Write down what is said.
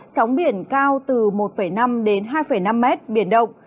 sóng biển cao từ một năm hai năm m biển động